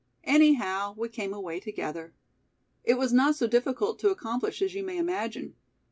Anyhow we came away together. It was not so difficult to accomplish as you may imagine.